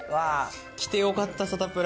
来てよかった、サタプラ。